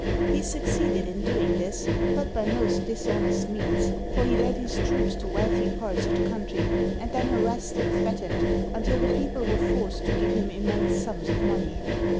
He succeeded in do ing this, but by most dishonest means, for he led his troops to wealthy parts of the country, and then harassed and threat ened until the people were forced to give him immense sums of money.